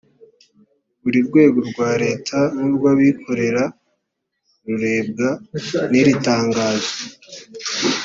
buri rwego rwa leta n urw abikorera rurebwa niri tanganzo